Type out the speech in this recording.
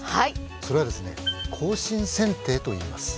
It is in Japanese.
それはですね更新剪定といいます。